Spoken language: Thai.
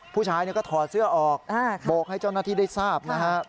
ผู้ชายก็ถอดเสื้อออกโบกให้เจ้าหน้าที่ได้ทราบนะฮะ